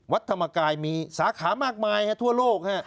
วัดธรรมกายมีสาขามากมายทั่วโลก